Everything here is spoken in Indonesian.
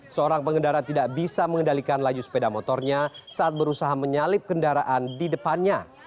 seorang pengendara tidak bisa mengendalikan laju sepeda motornya saat berusaha menyalip kendaraan di depannya